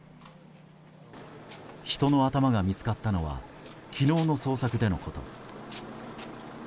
人の頭が見つかったのは昨日の捜索でのこと。